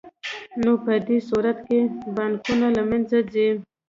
نو په دې صورت کې بانکونه له منځه ځي